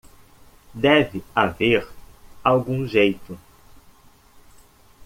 Deve haver algum jeito.